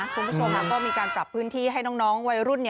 คุณผู้ชมก็มีการปรับพื้นที่ให้น้องวัยรุ่น